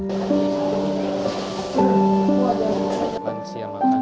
tidak ada orang yakin perawat ini akan bertahan